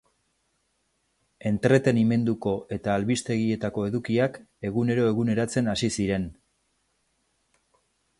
Entretenimenduko eta albistegietako edukiak egunero eguneratzen hasi ziren.